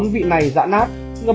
bốn vị này dã nát